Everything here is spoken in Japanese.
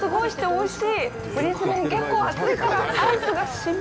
おいしい。